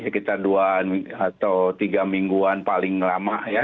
sekitar dua atau tiga mingguan paling lama ya